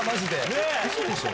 ウソでしょ